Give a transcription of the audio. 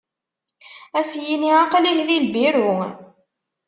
Ad as-yini aqlih di lbiru.